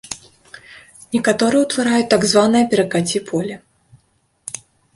Некаторыя ўтвараюць так званае перакаці-поле.